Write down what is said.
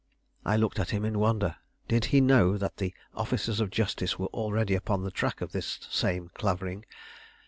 I looked at him in wonder. Did he know that the officers of justice were already upon the track of this same Clavering?